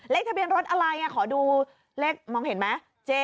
ทะเบียนรถอะไรขอดูเลขมองเห็นไหม